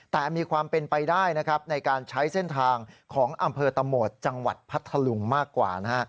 แต่มีความเป็นไปได้ในการใช้เส้นทางของอำเภอตะโหมดจังหวัดพัทธลุงมากกว่า